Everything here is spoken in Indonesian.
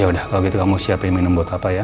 yaudah kalo gitu kamu siapin minum buat papa ya